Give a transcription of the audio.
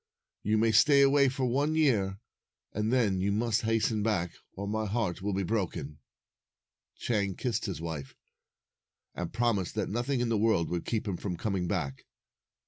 You may stay away for one year, and then you must hasten back, or my heart will be broken." Chang kissed his wife, and promised that nothing in the world would keep him from com ing back.